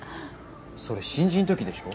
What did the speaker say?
それ新人んときでしょ。